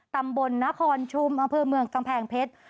ตำบลนครชุมอำเภอเมืองกำแพงเพชร